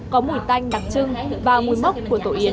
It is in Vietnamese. có mùi tanh đặc trưng và mùi mốc của tổ yến